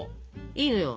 いいのよ。